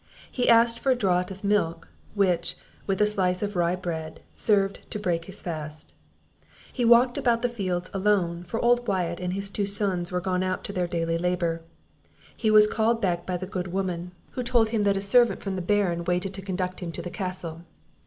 He asked for a draught of milk, which, with a slice of rye bread, served to break his fast. He walked about the fields alone; for old Wyatt and his two sons were gone out to their daily labour. He was soon called back by the good woman, who told him that a servant from the Baron waited to conduct him to the Castle.